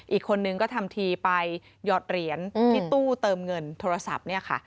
อีกคนนึงก็ทำทีไปหยอดเหรียญที่ตู้เติมเงินโทรศัพท์เนี่ยค่ะ